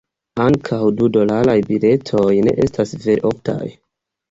Ankaŭ du-dolaraj biletoj ne estas vere oftaj.